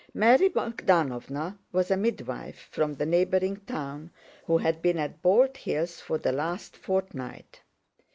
(Mary Bogdánovna was a midwife from the neighboring town, who had been at Bald Hills for the last fortnight.)